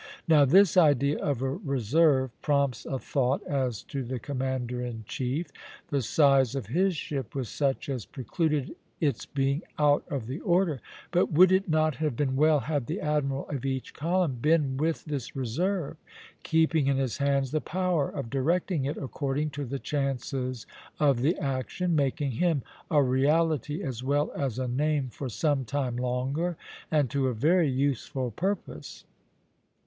Now this idea of a reserve prompts a thought as to the commander in chief. The size of his ship was such as precluded its being out of the order; but would it not have been well had the admiral of each column been with this reserve, keeping in his hands the power of directing it according to the chances of the action, making him a reality as well as a name for some time longer, and to a very useful purpose?